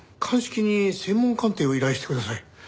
鑑識に声紋鑑定を依頼してください。